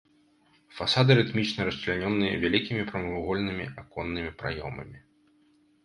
Фасады рытмічна расчлянёныя вялікімі прамавугольнымі аконнымі праёмамі.